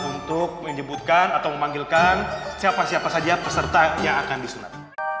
untuk menyebutkan atau memanggilkan siapa siapa saja peserta yang akan disunat